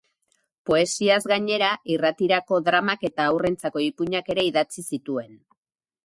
Poesiaz gainera, irratirako dramak eta haurrentzako ipuinak ere idatzi zituen.